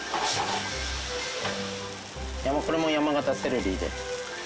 これも山形セルリーです。